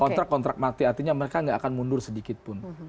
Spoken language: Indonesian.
kontrak kontrak mati artinya mereka nggak akan mundur sedikit pun